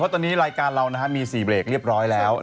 ตอนนี้รายการเรามี๔เบรกเรียบร้อยแล้ว